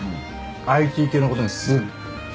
ＩＴ系のことにすっごい強いの。